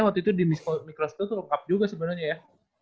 waktu itu di mikroskill tuh lengkap juga sebenarnya ya